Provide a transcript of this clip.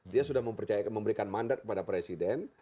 dia sudah memberikan mandat kepada presiden